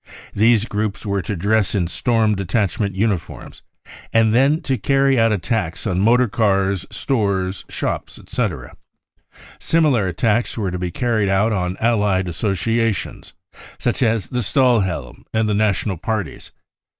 These groups were to dress in Storm Petachment uniforms and then to cacry out at tacks on motor cars, stores, shops, etc. Similar attacks were to be carried out on allied associations such, as the Stahlhelm and the national parties.